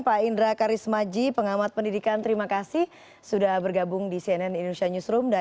pak indra karismaji pengamat pendidikan terima kasih sudah bergabung di cnn indonesia newsroom